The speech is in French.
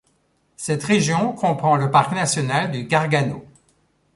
Cette région comprend le parc national du Gargano.